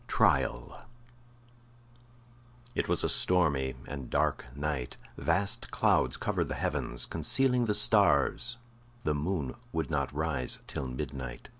TRIAL It was a stormy and dark night; vast clouds covered the heavens, concealing the stars; the moon would not rise till midnight.